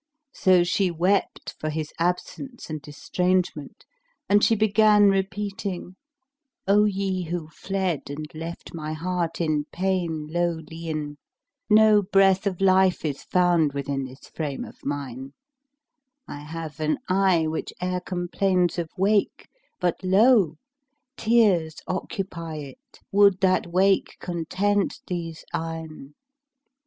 So she wept for his absence, and estrangement and she began repeating, "O ye who fled and left my heart in pain low li'en, * No breath of life if found within this frame of mine: I have an eye which e'er complains of wake, but lo! * Tears occupy it would that wake content these eyne!